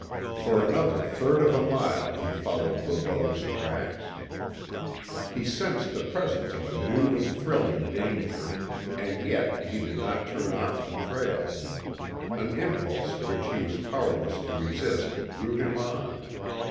For another third of a mile he followed Le Beau's tracks. He sensed the presence of a new and thrilling danger, and yet he did not turn off the trail. An impulse which he was powerless to resist drew him on.